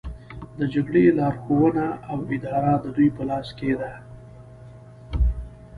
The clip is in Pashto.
د جګړې لارښوونه او اداره د دوی په لاس کې ده